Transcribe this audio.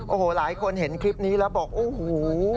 โอ้โหหลายคนเห็นคลิปนี้แล้วบอกโอ้โห